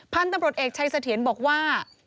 พันธุ์ตำรวจเอกชัยเสถียรบอกว่า